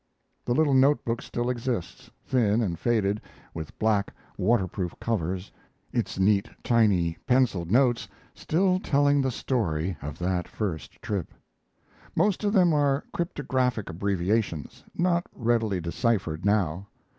The little note book still exists thin and faded, with black water proof covers its neat, tiny, penciled notes still, telling, the story of that first trip. Most of them are cryptographic abbreviations, not readily deciphered now.